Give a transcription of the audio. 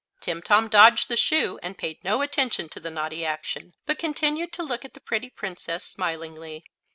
Timtom dodged the shoe and paid no attention to the naughty action, but continued to look at the pretty Princess smilingly.